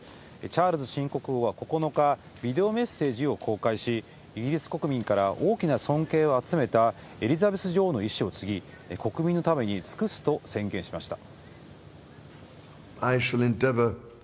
チャールズ新国王は９日、ビデオメッセージを公開し、イギリス国民から大きな尊敬を集めたエリザベス女王の遺志を継ぎ、国民のために尽くすと宣言しました。